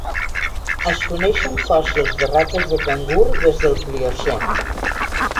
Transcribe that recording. Es coneixen fòssils de rates de cangur des del Pliocè.